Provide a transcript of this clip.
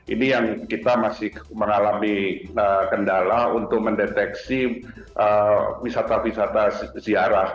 ini yang kita masih mengalami kendala untuk mendeteksi wisata wisata ziarah